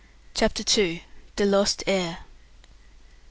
CHAPTER II. THE LOST HEIR.